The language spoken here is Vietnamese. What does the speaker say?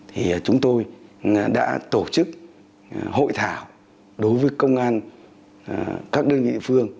thì chúng tôi đã tổ chức hội thảo đối với công an các đơn vị phương